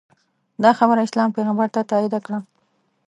دا خبره اسلام پیغمبر تاییده کړه